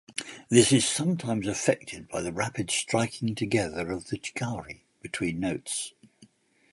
This is sometimes effected by the rapid striking together of the "chikari" between notes.